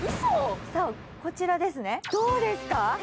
こちらですね、どうですか？